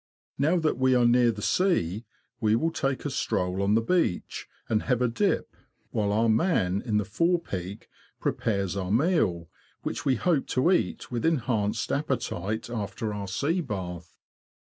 Now that we are near the Burgh St. Peter Church. sea, we will take a stroll on the beach, and have a dip, while our man in the fore peak prepares our meal, which we hope to eat with enhanced appetite after our sea bath.